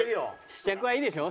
試着はいいでしょ？